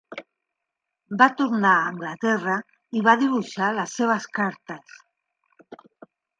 Va tornar a Anglaterra i va dibuixar les seves cartes.